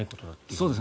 そうですね。